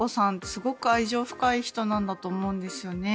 すごく愛情深い人なんだと思うんですよね。